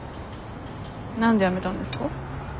何で辞めたんですか？